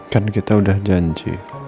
kan kita sudah janji